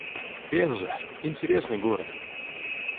Пенза — интересный город